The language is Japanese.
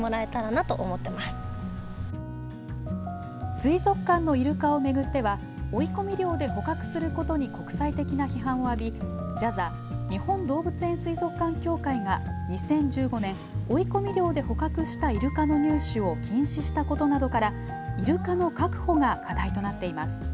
水族館のいるかを巡っては追い込み漁で捕獲することに国際的な批判を浴びＪＡＺＡ日本動物園水族館協会が２０１５年、追い込み漁で捕獲したいるかの入手を禁止したことなどからいるかの確保が課題となっています。